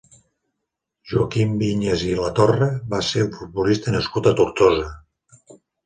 Joaquim Viñas i Latorre va ser un futbolista nascut a Tortosa.